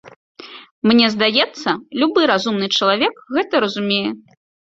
Мне здаецца, любы разумны чалавек гэта разумее.